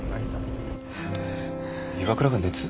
岩倉が熱？